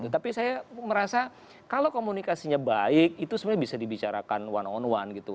tapi saya merasa kalau komunikasinya baik itu sebenarnya bisa dibicarakan one on one gitu